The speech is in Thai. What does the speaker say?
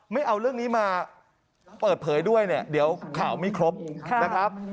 ไม่เอาเรื่องนี้มาเปิดเผยด้วยเนี่ยเดี๋ยวข่าวไม่ครบนะครับ